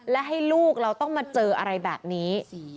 และให้ลูกเราต้องมาเจออะไรแบบนี้